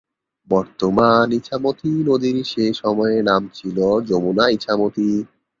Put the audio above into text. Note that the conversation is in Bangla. বর্তমান ইছামতি নদীর সে সময়ে নাম ছিল যমুনা-ইছামতী।